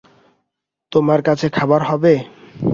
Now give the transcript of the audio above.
তোমার কাছে খাবার হবে?